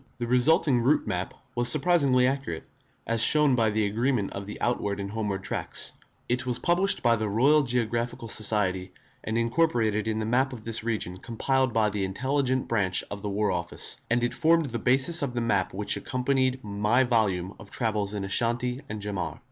The resulting route map was surprisingly accurate, as shown by the agreement of the outward and homeward tracks, It was published by the Royal Geographical Society, and incorporated in the map of this region compiled by the Intelligence Branch of the War Office, and it formed the basis of the map which accompanied my volume of Travels in Ashanti and Jaman.